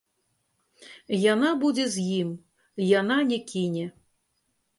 Яна будзе з ім, яна не кіне.